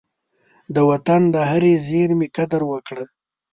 د وطن د هرې زېرمي قدر وکړه.